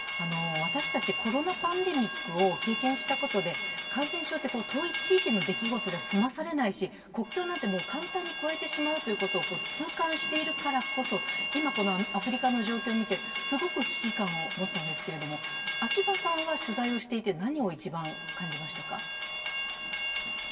私たちコロナパンデミックを経験したことで感染症って遠い地域の出来事では住まされないし、国境なんて簡単に越えてしまうと知っているからこそ今アフリカの状況を見て、すごく危機感を持ったんですけれども、秋場さんは取材をしていて何を一番感じましたか？